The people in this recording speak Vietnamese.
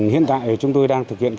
hiện tại chúng tôi đang thực hiện